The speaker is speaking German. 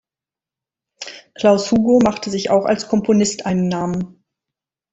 Klaus Hugo machte sich auch als Komponist einen Namen.